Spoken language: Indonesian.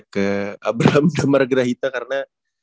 ke abraham damar kerahita karena